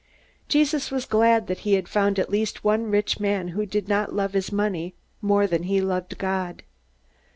Jesus was glad that he had found at least one rich man who did not love his money more than he loved God.